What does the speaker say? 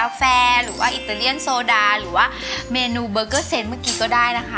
แฟหรือว่าอิตาเลียนโซดาหรือว่าเมนูเบอร์เกอร์เซนต์เมื่อกี้ก็ได้นะคะ